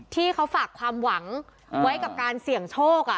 ที่เขาฝากความหวังไว้กับการเสี่ยงโชค